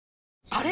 あれ？